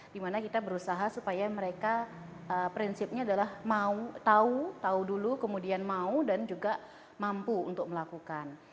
dimana kita berusaha supaya mereka prinsipnya adalah mau tahu dulu kemudian mau dan juga mampu untuk melakukan